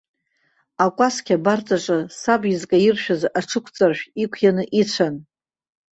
Акәасқьа абарҵаҿы саб иазкаиршәыз аҽықәҵаршә иқәианы ицәан.